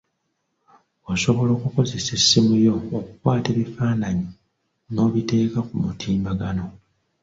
Osobola okukozesa essimu yo okukwata ebifaananyi n'obiteeka ku mutimbagano.